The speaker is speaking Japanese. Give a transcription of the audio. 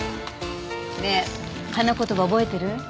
ねえ花言葉覚えてる？